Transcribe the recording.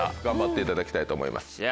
頑張っていただきたいと思います。